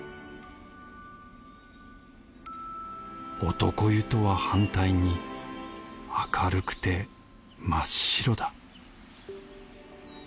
男湯とは反対に明るくて真っ白だ